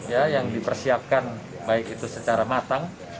ya yang dipersiapkan baik itu secara matang